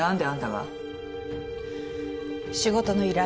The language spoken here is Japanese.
はぁ仕事の依頼。